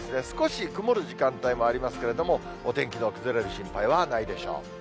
少し曇る時間帯もありますけれども、お天気の崩れる心配はないでしょう。